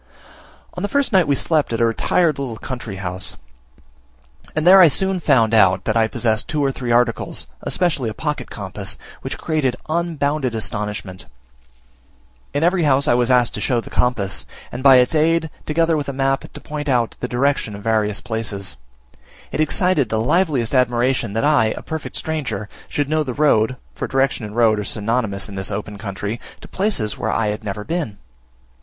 On the first night we slept at a retired little country house; and there I soon found out that I possessed two or three articles, especially a pocket compass, which created unbounded astonishment. In every house I was asked to show the compass, and by its aid, together with a map, to point out the direction of various places. It excited the liveliest admiration that I, a perfect stranger, should know the road (for direction and road are synonymous in this open country) to places where I had never been.